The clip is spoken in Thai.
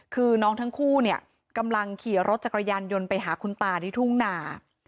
คือน้องทั้งคู่เนี่ยกำลังขี่รถจักรยานยนต์ไปหาคุณตาที่ทุ่งนา